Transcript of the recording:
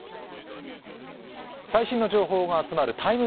最新の情報が集まるＴＩＭＥ